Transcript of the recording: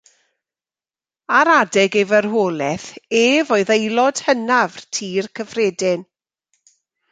Ar adeg ei farwolaeth ef oedd aelod hynaf Tŷ'r Cyffredin.